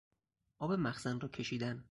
آب مخزن را کشیدن